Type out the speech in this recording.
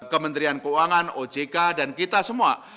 kementerian keuangan ojk dan kita semua